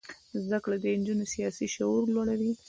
زده کړه د نجونو سیاسي شعور لوړوي.